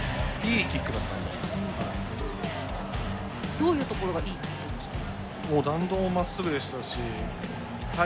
どういうところがいいキックなんですか。